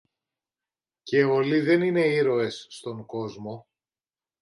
Και όλοι δεν είναι ήρωες στον κόσμο.